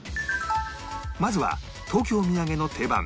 まずは東京土産の定番